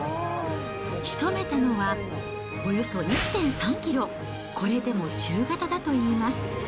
仕留めたのは、およそ１．３キロ、これでも中型だといいます。